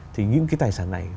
thì những cái tài sản này